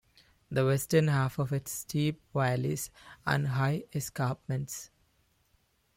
The western half of it is steep valleys and high escarpments.